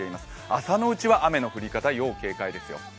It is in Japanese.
朝のうちは雨の降り方、要警戒ですよ。